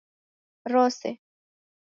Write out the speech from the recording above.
Rose